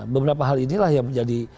beberapa hal inilah yang menjadi